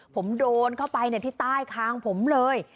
ผมโดนเข้าไปที่ใต้คางผมเลย